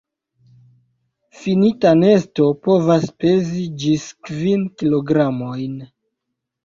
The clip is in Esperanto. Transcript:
Finita nesto povas pezi ĝis kvin kilogramojn..